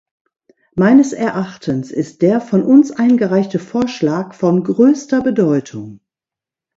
Meines Erachtens ist der von uns eingereichte Vorschlag von größter Bedeutung.